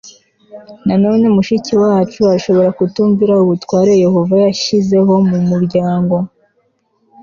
Nanone mushiki wacu ashobora kutumvira ubutware Yehova yashyizeho mu muryango